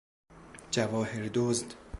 جواهر دزد